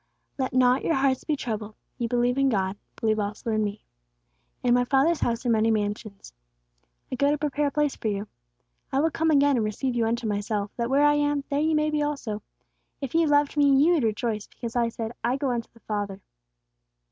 "Let not your hearts be troubled: ye believe in God, believe also in me. In my Father's house are many mansions.... I go to prepare a place for you. I will come again, and receive you unto myself; that where I am, there ye may be also.... If ye loved me, ye would rejoice, because I said, I go unto the Father....